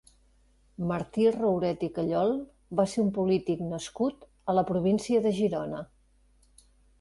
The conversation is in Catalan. Martí Rouret i Callol va ser un polític nascut a la província de Girona.